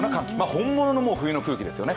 本物の冬の空気ですよね。